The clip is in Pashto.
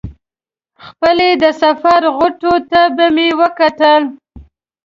خپلې د سفر غوټو ته به مې وکتل.